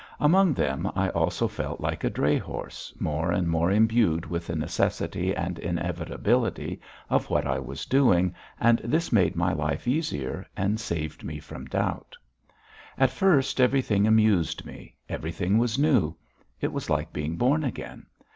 Among them I also felt like a dray horse, more and more imbued with the necessity and inevitability of what I was doing, and this made my life easier, and saved me from doubt. At first everything amused me, everything was new. It was like being born again.